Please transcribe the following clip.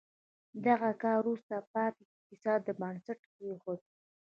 دغه کار وروسته پاتې اقتصاد بنسټ کېښود.